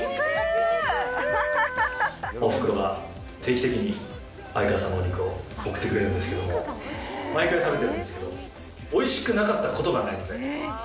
おふくろが定期的にあいかわさんのお肉を送ってくれるんですけれども、毎回食べてるんですけれども、おいしくなかったことがないので。